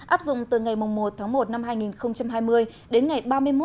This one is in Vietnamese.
áp dụng từ ngày một một hai nghìn hai mươi đến ngày ba mươi một một mươi hai hai nghìn hai mươi bốn